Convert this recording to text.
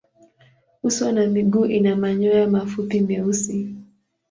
Uso na miguu ina manyoya mafupi meusi.